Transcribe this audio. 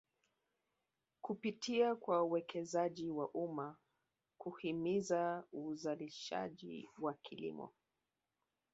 Kupitia kwa uwekezaji wa umma kuhimiza uzalishaji wa kilimo